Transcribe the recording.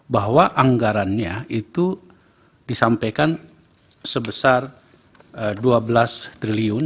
bahwa anggarannya itu disampaikan sebesar rp dua belas triliun